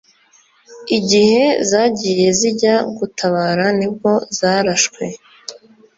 igihe zagiye zijya gutabara nibwo zarashwe